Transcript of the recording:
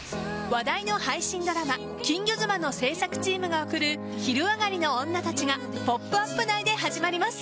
話題の配信ドラマ「金魚妻」の制作チームが送る「昼上がりのオンナたち」が「ポップＵＰ！」内で始まります。